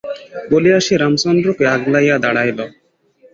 বলিয়া সে রামচন্দ্রকে আগলাইয়া দাঁড়াইল।